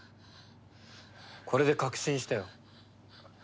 これで確信したよ。